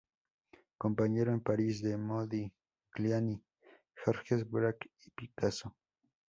Compañero en París de Modigliani, Georges Braque y Picasso.